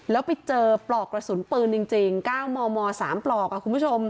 แล้วไปเจอปลอกกระสุนปืนจริง๙มม๓ปลอกคุณผู้ชม